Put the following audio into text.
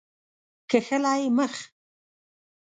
کښلی مخ